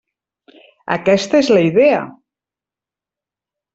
Aquesta és la idea.